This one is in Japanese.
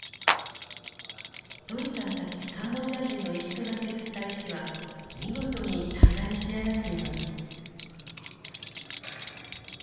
トイさんたちカンボジア人の石工が削った石は見事に平らに仕上がっています。